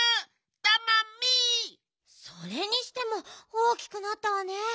それにしても大きくなったわね。